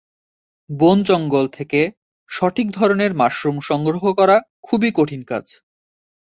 বন-জঙ্গল থেকে সঠিক ধরনের মাশরুম সংগ্রহ করা খুবই কঠিন কাজ।